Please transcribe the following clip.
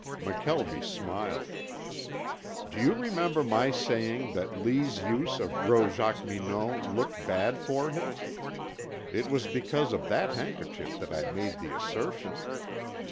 McKelvie smiled. "Do you remember my saying that Lee's use of rose jacqueminot looked bad for him? It was because of that handkerchief that I made the assertion.